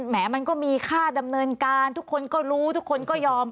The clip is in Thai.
มันก็มีค่าดำเนินการทุกคนก็รู้ทุกคนก็ยอม